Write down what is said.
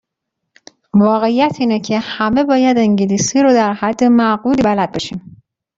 واقعیت اینه که همه باید انگلیسی رو در حد معقولی بلد باشیم.